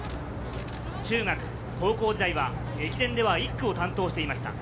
中学、高校時代は駅伝では１区を担当していました。